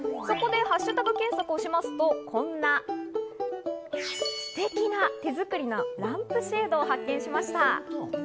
そこでハッシュタグ検索をしますとこんなステキな手作りのランプシェードを発見しました。